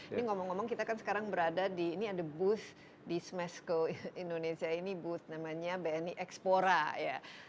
ini ngomong ngomong kita kan sekarang berada di ini ada booth di smesco indonesia ini booth namanya bni explora ya